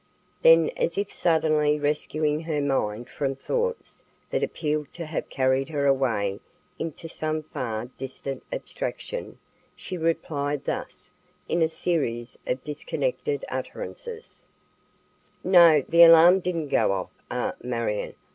Then, as if suddenly rescuing her mind from thoughts that appealed to have carried her away into some far distant abstraction, she replied thus, in a series of disconnected utterances: "No, the alarm didn't go off a Marion.